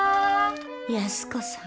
安子さん。